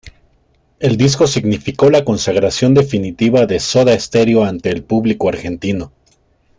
El disco significó la consagración definitiva de Soda Stereo ante el público argentino.